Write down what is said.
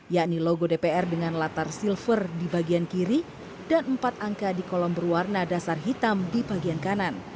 yakni logo dpr dengan latar silver di bagian kiri dan empat angka di kolom berwarna dasar hitam di bagian kanan